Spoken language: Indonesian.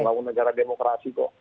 mau negara demokrasi kok